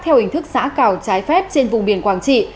theo hình thức xã cào trái phép trên vùng biển quảng trị